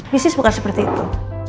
bisnis bukan seperti itu